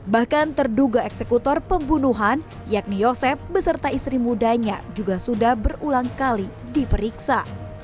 bahkan terduga eksekutor pembunuhan yakni yosep beserta istri mudanya juga sudah berulang kali diperiksa